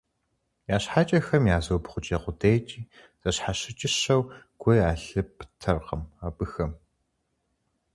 Я щхьэкӀэхэм я зыубгъукӀэ къудейкӀи зэщхьэщыкӀыщэу гу ялъыптэркъым абыхэм.